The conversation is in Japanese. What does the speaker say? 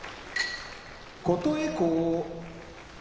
琴恵光